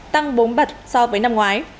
tăng bốn bậc so với năm ngoái